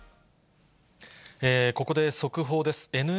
ここで速報です。